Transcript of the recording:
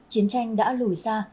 chiến tranh đã lùi xa